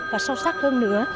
và sâu sắc hơn nữa